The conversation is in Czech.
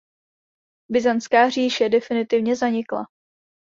Byzantská říše definitivně zanikla.